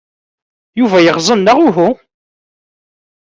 Yuba yeɣẓen, neɣ uhu?